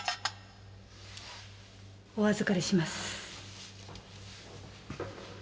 お預かりします。